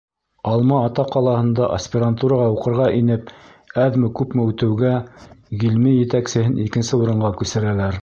Алма-Ата ҡалаһында аспирантураға уҡырға инеп әҙме-күпме үтеүгә, ғилми етәксеһен икенсе урынға күсерәләр.